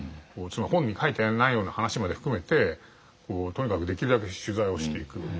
本に書いてないような話まで含めてとにかくできるだけ取材をしていく。